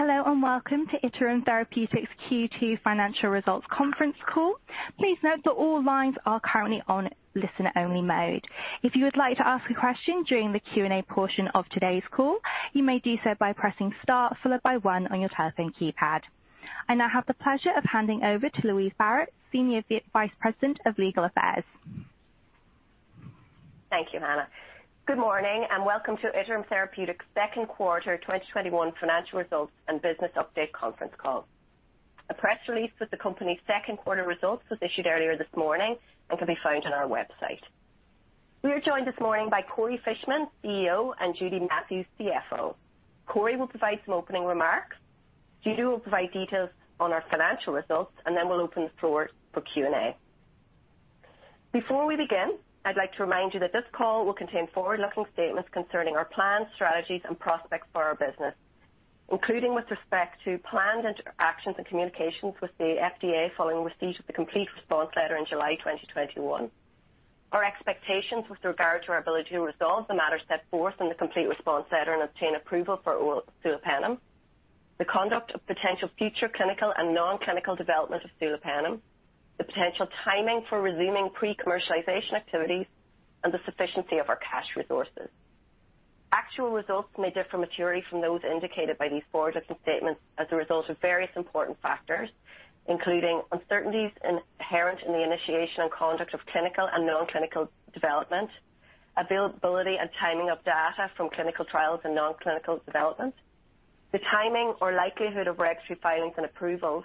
Hello, and welcome to Iterum Therapeutics Q2 Financial Results Conference Call. Please note that all lines are currently on listen-only mode. If you would like to ask a question during the Q&A portion of today's call, you may do so by pressing star followed by one on your telephone keypad. I now have the pleasure of handing over to Louise Barrett, Senior Vice President of Legal Affairs. Thank you, Hannah. Good morning, welcome to Iterum Therapeutics' Second Quarter 2021 Financial Results and Business Update Conference Call. A press release with the company's second quarter results was issued earlier this morning and can be found on our website. We are joined this morning by Corey Fishman, CEO, and Judy Matthews, CFO. Corey will provide some opening remarks. Judy will provide details on our financial results, then we'll open the floor for Q&A. Before we begin, I'd like to remind you that this call will contain forward-looking statements concerning our plans, strategies, and prospects for our business, including with respect to plans, interactions, and communications with the FDA following receipt of the complete response letter in July 2021. Our expectations with regard to our ability to resolve the matters set forth in the complete response letter and obtain approval for oral sulopenem, the conduct of potential future clinical and non-clinical development of sulopenem, the potential timing for resuming pre-commercialization activities, and the sufficiency of our cash resources. Actual results may differ materially from those indicated by these forward-looking statements as a result of various important factors, including uncertainties inherent in the initiation and conduct of clinical and non-clinical development, availability and timing of data from clinical trials and non-clinical development, the timing or likelihood of regulatory filings and approvals,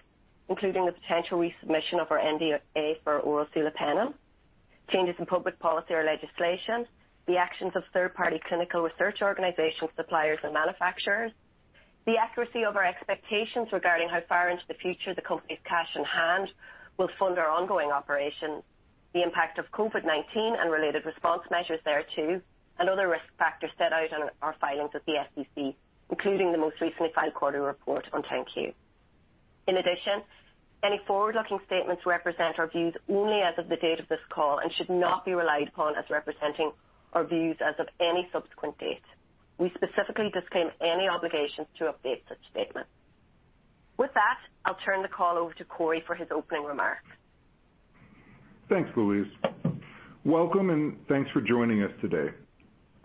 including the potential resubmission of our NDA for oral sulopenem, changes in public policy or legislation, the actions of third-party clinical research organizations, suppliers, and manufacturers. The accuracy of our expectations regarding how far into the future the company's cash on hand will fund our ongoing operations, the impact of COVID-19 and related response measures thereto, and other risk factors set out on our filings with the SEC, including the most recently filed quarterly report on 10-Q. Any forward-looking statements represent our views only as of the date of this call and should not be relied upon as representing our views as of any subsequent date. We specifically disclaim any obligations to update such statements. With that, I'll turn the call over to Corey for his opening remarks. Thanks, Louise. Welcome and thanks for joining us today.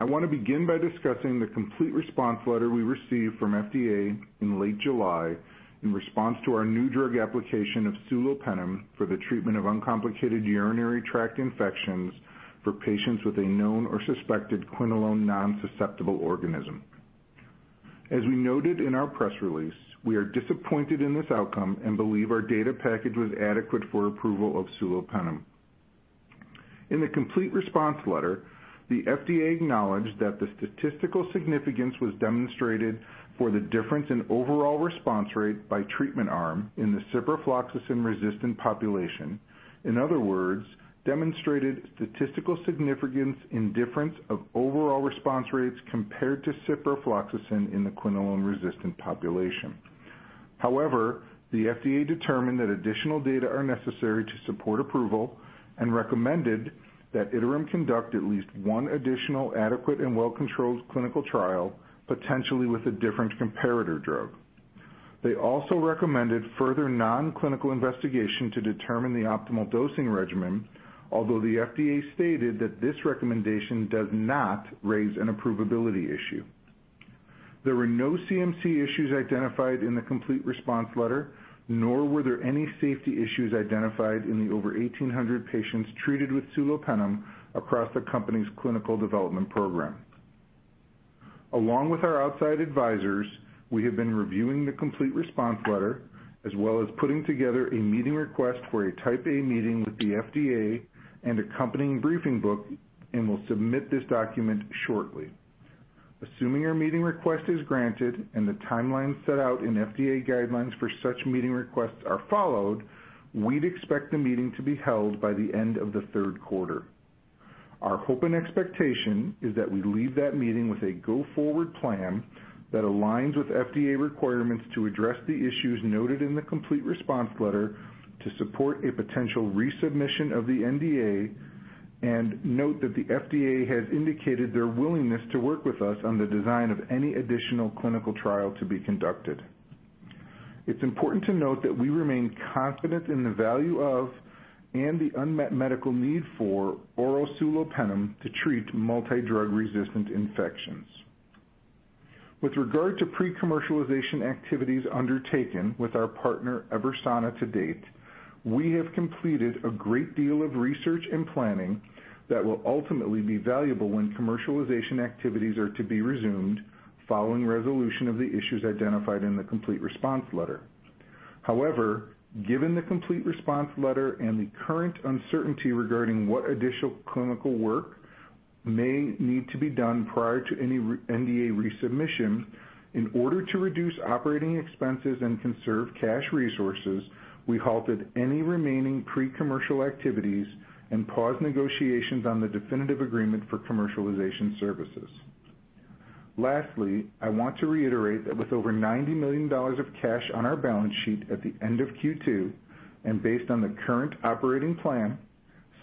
I want to begin by discussing the complete response letter we received from FDA in late July in response to our new drug application of sulopenem for the treatment of uncomplicated urinary tract infections for patients with a known or suspected quinolone non-susceptible organism. As we noted in our press release, we are disappointed in this outcome and believe our data package was adequate for approval of sulopenem. In the complete response letter, the FDA acknowledged that the statistical significance was demonstrated for the difference in overall response rate by treatment arm in the ciprofloxacin-resistant population. In other words, demonstrated statistical significance in difference of overall response rates compared to ciprofloxacin in the quinolone-resistant population. The FDA determined that additional data are necessary to support approval and recommended that Iterum conduct at least one additional adequate and well-controlled clinical trial, potentially with a different comparator drug. They also recommended further non-clinical investigation to determine the optimal dosing regimen, although the FDA stated that this recommendation does not raise an approvability issue. There were no CMC issues identified in the complete response letter, nor were there any safety issues identified in the over 1,800 patients treated with sulopenem across the company's clinical development program. Along with our outside advisors, we have been reviewing the complete response letter, as well as putting together a meeting request for a Type A meeting with the FDA and accompanying briefing book, and will submit this document shortly. Assuming our meeting request is granted and the timelines set out in FDA guidelines for such meeting requests are followed, we'd expect the meeting to be held by the end of the third quarter. Our hope and expectation is that we leave that meeting with a go-forward plan that aligns with FDA requirements to address the issues noted in the complete response letter to support a potential resubmission of the NDA and note that the FDA has indicated their willingness to work with us on the design of any additional clinical trial to be conducted. It's important to note that we remain confident in the value of and the unmet medical need for oral sulopenem to treat multi-drug resistant infections. With regard to pre-commercialization activities undertaken with our partner, EVERSANA, to date, we have completed a great deal of research and planning that will ultimately be valuable when commercialization activities are to be resumed following resolution of the issues identified in the complete response letter. However, given the complete response letter and the current uncertainty regarding what additional clinical work may need to be done prior to any NDA resubmission, in order to reduce operating expenses and conserve cash resources, we halted any remaining pre-commercial activities and paused negotiations on the definitive agreement for commercialization services. Lastly, I want to reiterate that with over $90 million of cash on our balance sheet at the end of Q2, and based on the current operating plan,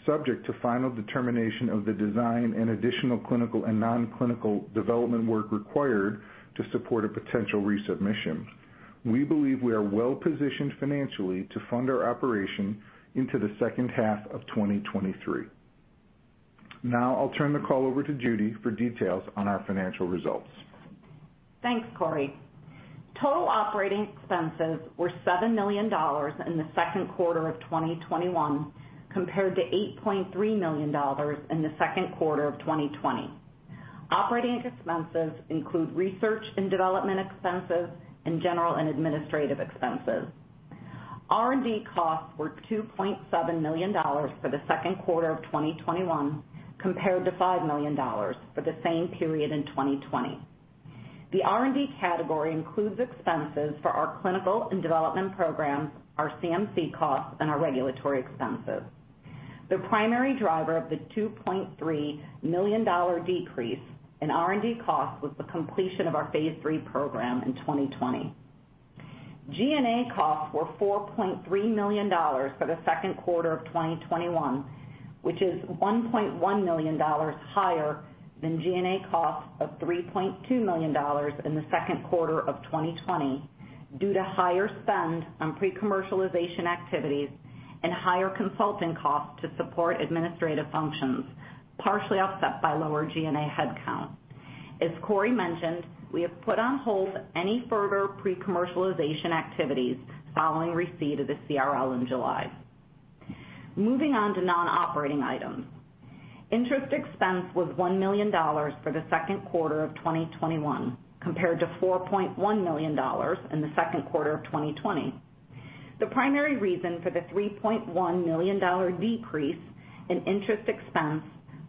subject to final determination of the design and additional clinical and non-clinical development work required to support a potential resubmission. We believe we are well-positioned financially to fund our operation into the second half of 2023. I'll turn the call over to Judy for details on our financial results. Thanks, Corey. Total operating expenses were $7 million in the second quarter of 2021, compared to $8.3 million in the second quarter of 2020. Operating expenses include research and development expenses and general and administrative expenses. R&D costs were $2.7 million for the second quarter of 2021 compared to $5 million for the same period in 2020. The R&D category includes expenses for our clinical and development programs, our CMC costs, and our regulatory expenses. The primary driver of the $2.3 million decrease in R&D costs was the completion of our phase III program in 2020. G&A costs were $4.3 million for the second quarter of 2021, which is $1.1 million higher than G&A costs of $3.2 million in the second quarter of 2020 due to higher spend on pre-commercialization activities and higher consulting costs to support administrative functions, partially offset by lower G&A headcount. As Corey mentioned, we have put on hold any further pre-commercialization activities following receipt of the CRL in July. Moving on to non-operating items. Interest expense was $1 million for the second quarter of 2021 compared to $4.1 million in the second quarter of 2020. The primary reason for the $3.1 million decrease in interest expense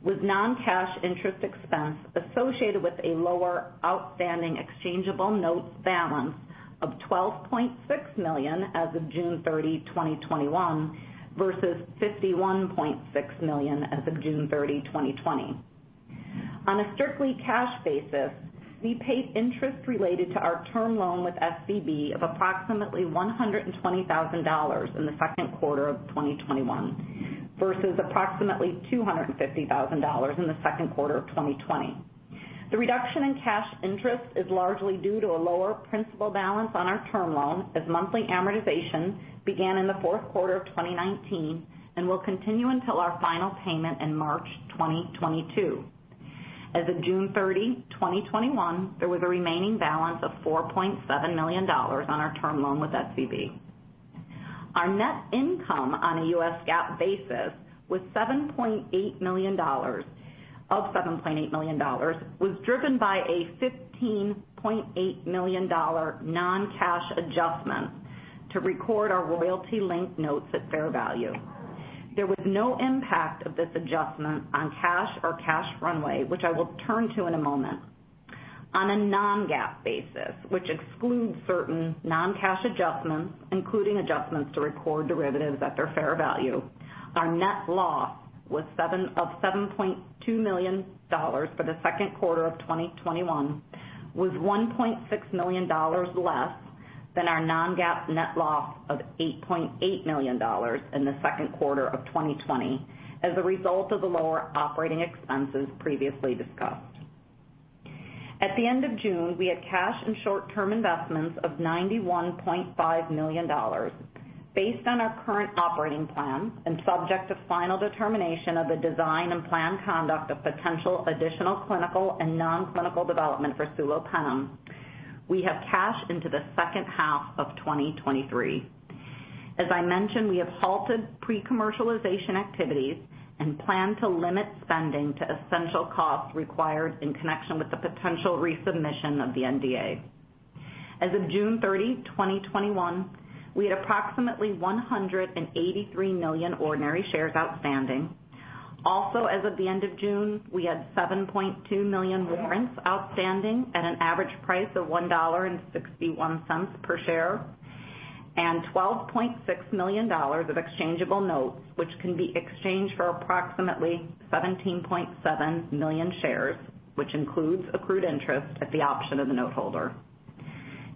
was non-cash interest expense associated with a lower outstanding exchangeable notes balance of $12.6 million as of June 30, 2021, versus $51.6 million as of June 30, 2020. On a strictly cash basis, we paid interest related to our term loan with SVB of approximately $120,000 in the second quarter of 2021 versus approximately $250,000 in the second quarter of 2020. The reduction in cash interest is largely due to a lower principal balance on our term loan, as monthly amortization began in the fourth quarter of 2019 and will continue until our final payment in March 2022. As of June 30, 2021, there was a remaining balance of $4.7 million on our term loan with SVB. Our net income on a U.S. GAAP basis of $7.8 million was driven by a $15.8 million non-cash adjustment to record our royalty-linked notes at fair value. There was no impact of this adjustment on cash or cash runway, which I will turn to in a moment. On a non-GAAP basis, which excludes certain non-cash adjustments, including adjustments to record derivatives at their fair value, our net loss of $7.2 million for the second quarter of 2021 was $1.6 million less than our non-GAAP net loss of $8.8 million in the second quarter of 2020 as a result of the lower operating expenses previously discussed. At the end of June, we had cash and short-term investments of $91.5 million. Based on our current operating plan and subject to final determination of the design and planned conduct of potential additional clinical and non-clinical development for sulopenem, we have cash into the second half of 2023. As I mentioned, we have halted pre-commercialization activities and plan to limit spending to essential costs required in connection with the potential resubmission of the NDA. As of June 30, 2021, we had approximately 183 million ordinary shares outstanding. As of the end of June, we had 7.2 million warrants outstanding at an average price of $1.61 per share and $12.6 million of exchangeable notes, which can be exchanged for approximately 17.7 million shares, which includes accrued interest at the option of the note holder.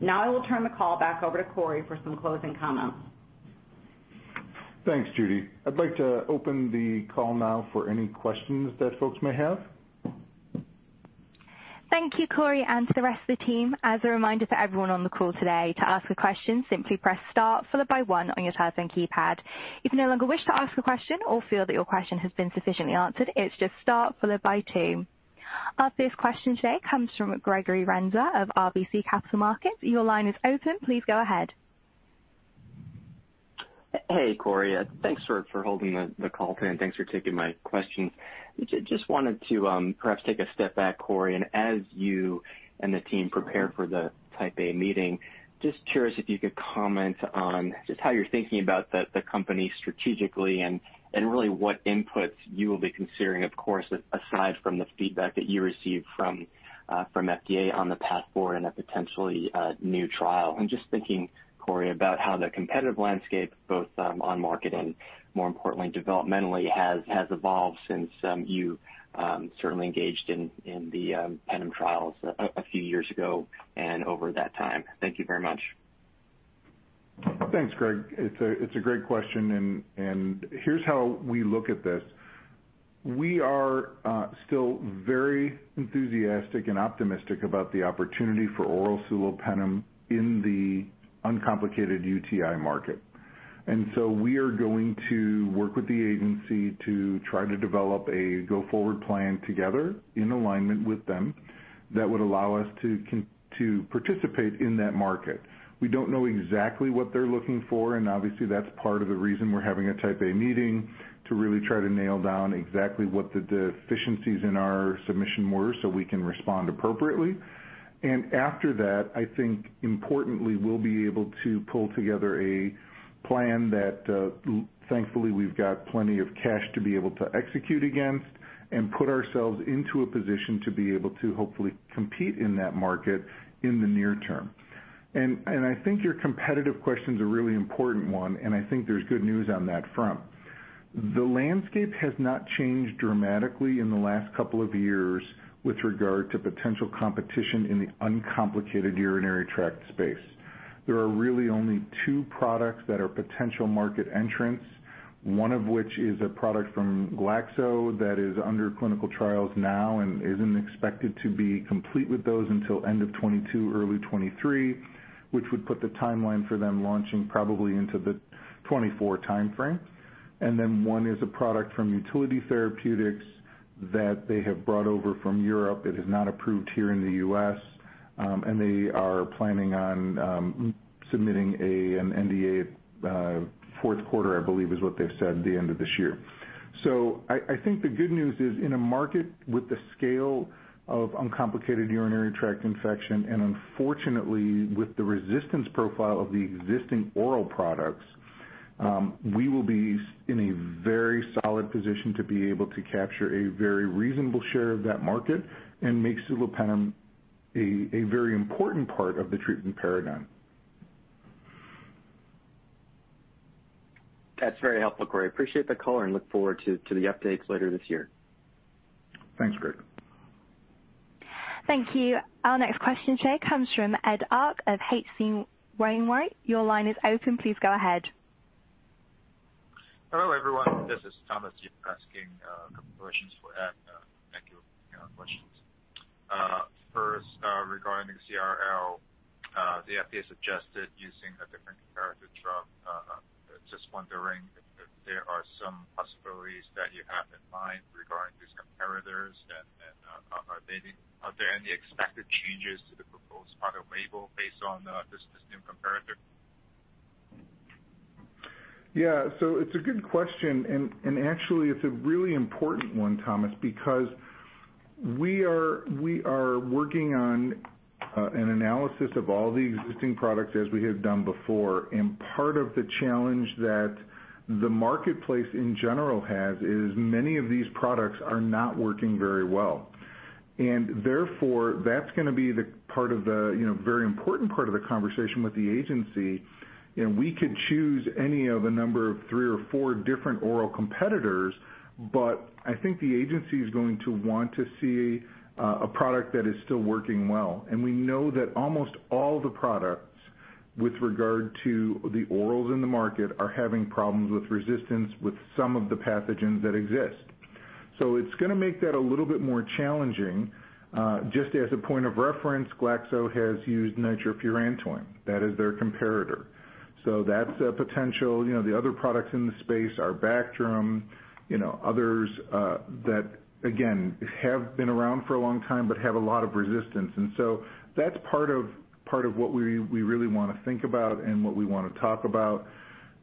I will turn the call back over to Corey for some closing comments. Thanks, Judy. I'd like to open the call now for any questions that folks may have. Thank you, Corey, and to the rest of the team. As a reminder for everyone on the call today, to ask a question, simply press star followed by one on your telephone keypad. If you no longer wish to ask a question or feel that your question has been sufficiently answered, it's just star followed by two. Our first question today comes from Gregory Renza of RBC Capital Markets. Your line is open. Please go ahead. Hey, Corey. Thanks for holding the call today. Thanks for taking my questions. Just wanted to perhaps take a step back, Corey, as you and the team prepare for the Type A meeting, just curious if you could comment on just how you're thinking about the company strategically and really what inputs you will be considering, of course, aside from the feedback that you received from FDA on the path forward and a potentially new trial. I'm just thinking, Corey, about how the competitive landscape, both on market and more importantly developmentally, has evolved since you certainly engaged in the penem trials a few years ago and over that time. Thank you very much. Thanks, Greg. It's a great question, and here's how we look at this. We are still very enthusiastic and optimistic about the opportunity for oral sulopenem in the uncomplicated UTI market. We are going to work with the agency to try to develop a go-forward plan together in alignment with them that would allow us to participate in that market. We don't know exactly what they're looking for, and obviously, that's part of the reason we're having a Type A meeting to really try to nail down exactly what the deficiencies in our submission were so we can respond appropriately. After that, I think importantly, we'll be able to pull together a plan that, thankfully, we've got plenty of cash to be able to execute against and put ourselves into a position to be able to hopefully compete in that market in the near term. I think your competitive question's a really important one, and I think there's good news on that front. The landscape has not changed dramatically in the last couple of years with regard to potential competition in the uncomplicated urinary tract space. There are really only two products that are potential market entrants, one of which is a product from Glaxo that is under clinical trials now and isn't expected to be complete with those until end of 2022, early 2023, which would put the timeline for them launching probably into the 2024 timeframe. One is a product from Utility Therapeutics that they have brought over from Europe. It is not approved here in the U.S., and they are planning on submitting an NDA fourth quarter, I believe, is what they've said, the end of this year. I think the good news is, in a market with the scale of uncomplicated urinary tract infection, and unfortunately, with the resistance profile of the existing oral products, we will be in a very solid position to be able to capture a very reasonable share of that market and make sulopenem a very important part of the treatment paradigm. That's very helpful, Corey. Appreciate the color and look forward to the updates later this year. Thanks, Greg. Thank you. Our next question today comes from Ed Arce of H.C. Wainwright. Your line is open. Please go ahead. Hello, everyone. This is Thomas Yip asking a couple questions for Ed. Thank you for taking our questions. First, regarding CRL, the FDA suggested using a different comparator drug. Just wondering if there are some possibilities that you have in mind regarding these comparators, and are there any expected changes to the proposed label based on this new comparator? Yeah. It's a good question, and actually, it's a really important one, Thomas, because we are working on an analysis of all the existing products as we have done before. Part of the challenge that the marketplace in general has is many of these products are not working very well. Therefore, that's going to be the very important part of the conversation with the agency, and we could choose any of a number of three or four different oral competitors, but I think the agency's going to want to see a product that is still working well. We know that almost all the products with regard to the orals in the market are having problems with resistance with some of the pathogens that exist. It's going to make that a little bit more challenging. Just as a point of reference, Glaxo has used nitrofurantoin. That is their comparator. That's a potential. The other products in the space are Bactrim, others that, again, have been around for a long time but have a lot of resistance. That's part of what we really want to think about and what we want to talk about.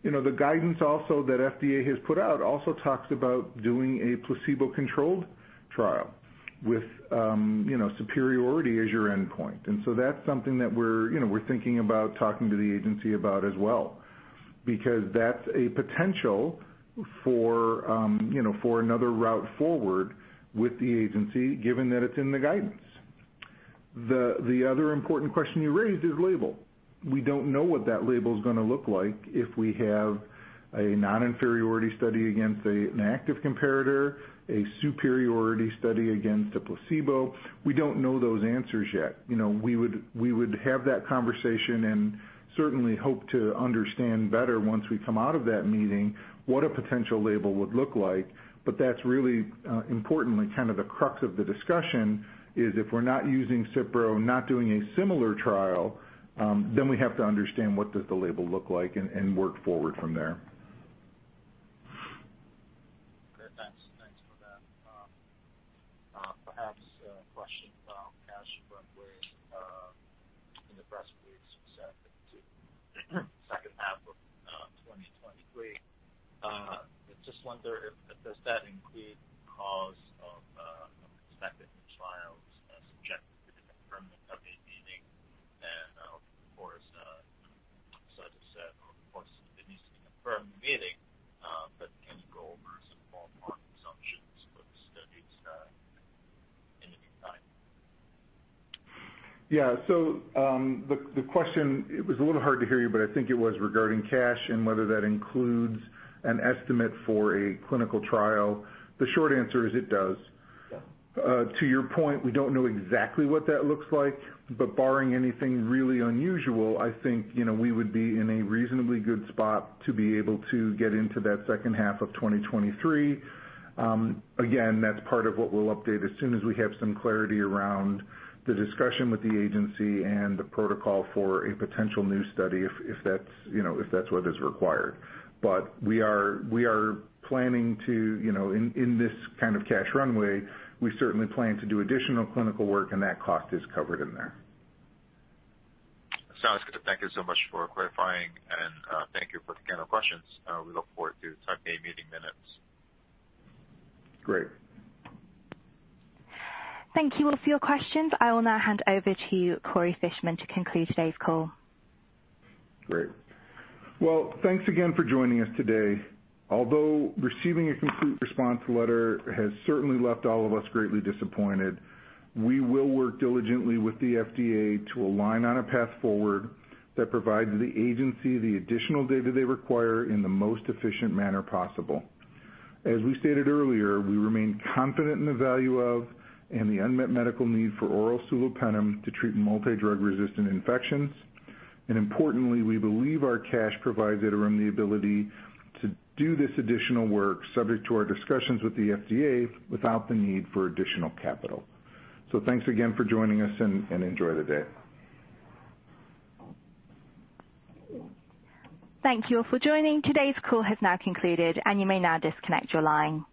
The guidance also that FDA has put out also talks about doing a placebo-controlled trial with superiority as your endpoint. That's something that we're thinking about talking to the agency about as well, because that's a potential for another route forward with the agency, given that it's in the guidance. The other important question you raised is label. We don't know what that label's going to look like if we have a non-inferiority study against an active comparator, a superiority study against a placebo. We don't know those answers yet. We would have that conversation and certainly hope to understand better once we come out of that meeting what a potential label would look like. That's really importantly kind of the crux of the discussion is if we're not using Cipro, not doing a similar trial, then we have to understand what does the label look like and work forward from there. Great. Thanks for that. Perhaps a question about cash runway in the press release set for the second half of 2023. I just wonder, does that include costs of prospective trials subject to the confirmed Type A meeting? Of course, subject to the confirmed meeting, but can you go over some ballpark assumptions for the studies in the meantime? Yeah. The question, it was a little hard to hear you, but I think it was regarding cash and whether that includes an estimate for a clinical trial. The short answer is it does. Yeah. To your point, we don't know exactly what that looks like, but barring anything really unusual, I think we would be in a reasonably good spot to be able to get into that second half of 2023. That's part of what we'll update as soon as we have some clarity around the discussion with the agency and the protocol for a potential new study if that's what is required. We are planning to, in this kind of cash runway, we certainly plan to do additional clinical work, and that cost is covered in there. Sounds good. Thank you so much for clarifying, and thank you for the Q&A questions. We look forward to Type A meeting minutes. Great. Thank you all for your questions. I will now hand over to Corey Fishman to conclude today's call. Great. Well, thanks again for joining us today. Although receiving a complete response letter has certainly left all of us greatly disappointed, we will work diligently with the FDA to align on a path forward that provides the agency the additional data they require in the most efficient manner possible. As we stated earlier, we remain confident in the value of and the unmet medical need for oral sulopenem to treat multidrug-resistant infections. Importantly, we believe our cash provides Iterum the ability to do this additional work subject to our discussions with the FDA without the need for additional capital. Thanks again for joining us, and enjoy the day. Thank you all for joining. Today's call has now concluded, and you may now disconnect your line.